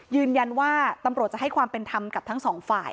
ยืนยันว่าตำรวจจะให้ความเป็นธรรมกับทั้งสองฝ่าย